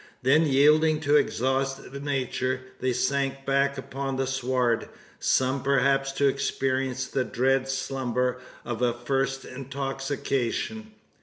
Then, yielding to exhausted nature, they sank back upon the sward, some perhaps to experience the dread slumber of a first intoxication.